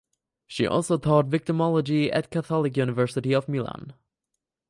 She also taught victimology at Catholic University of Milan.